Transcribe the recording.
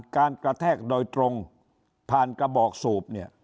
การกระแทกโดยตรงผ่านกระบอกสูบ